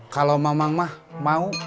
kalau mamang mah mau